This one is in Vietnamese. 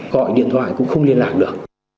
gọi điện thoại cũng không liên lạc được